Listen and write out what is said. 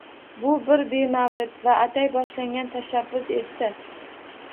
Bu bir bemavrid va atay boshlangan tashabbus edi-da.